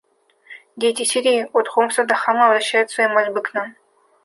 Дети Сирии — от Хомса до Хамы — обращают свои мольбы к нам.